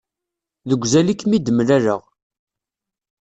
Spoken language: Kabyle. Deg uzal i kem-id-mlaleɣ.